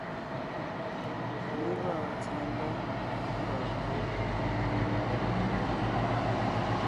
Mé gɔɔn tsìŋe ndá ngɔɔn kɔ́?